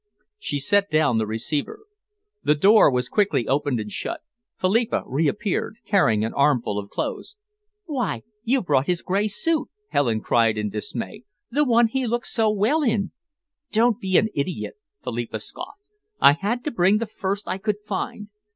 She set down the receiver. The door was quickly opened and shut. Philippa reappeared, carrying an armful of clothes. "Why, you've brought his grey suit," Helen cried in dismay, "the one he looks so well in!" "Don't be an idiot," Philippa scoffed. "I had to bring the first I could find.